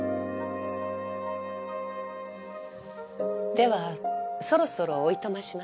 ではそろそろおいとまします。